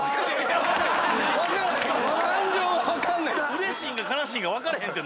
うれしいんか悲しいか分からへんって